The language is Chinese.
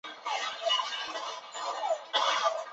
然而当年土发公司因长年亏损而未有足够资金展开项目。